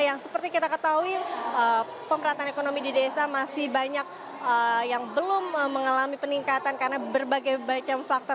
yang seperti kita ketahui pemerintahan ekonomi di desa masih banyak yang belum mengalami peningkatan karena berbagai macam faktor